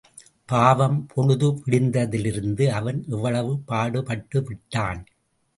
பாவம், பொழுது விடிந்ததிலிருந்து அவன் எவ்வளவு பாடுபட்டுவிட்டான்!